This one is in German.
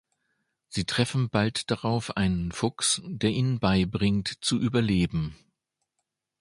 Sie treffen bald darauf einen Fuchs, der ihnen beibringt zu überleben.